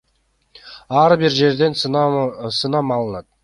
Ар бир жерден сынам алынат.